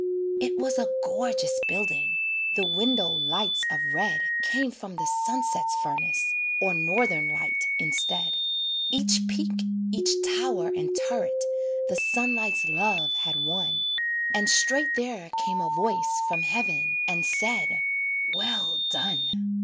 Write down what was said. It was a gorgeous building The window lights of red Came from the sunset's furnace, Or Northern light instead. Each peak, each tower and turret The sunlight's love had won, And straight there came a voice From heaven and said "well done."